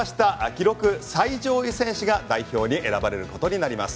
記録最上位選手が代表に選ばれることになります。